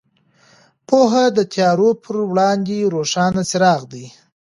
پوهه د تیارو پر وړاندې روښان څراغ دی.